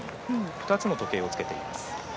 ２つの時計をつけています。